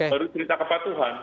baru cerita kepatuhan